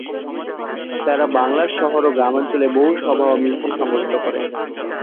তাঁরা বাংলার শহর ও গ্রামাঞ্চলে বহু সভা ও মিছিল সংগঠিত করেন।